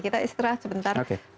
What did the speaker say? kita istirahat sebentar